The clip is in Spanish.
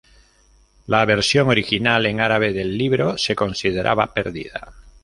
La versión original en árabe del libro se consideraba perdida.